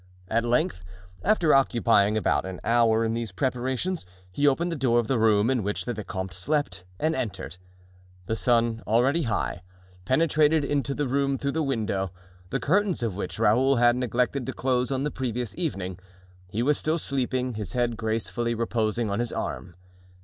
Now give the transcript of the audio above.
At length, after occupying about an hour in these preparations, he opened the door of the room in which the vicomte slept, and entered. The sun, already high, penetrated into the room through the window, the curtains of which Raoul had neglected to close on the previous evening. He was still sleeping, his head gracefully reposing on his arm.